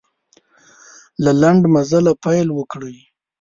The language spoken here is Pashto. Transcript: له لنډ مزله پیل وکړئ.